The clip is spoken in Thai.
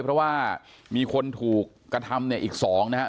เพราะว่ามีคนถูกกระทำเนี่ยอีก๒นะฮะ